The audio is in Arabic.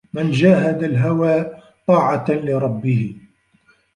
مَنْ جَاهَدَ الْهَوَى طَاعَةً لِرَبِّهِ